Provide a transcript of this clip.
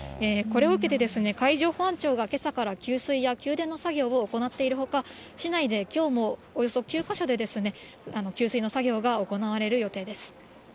これを受けて、海上保安庁がけさから給水や給電の作業を行っているほか、市内できょうもおよそ９か所で、給水の作業が行われる予定です。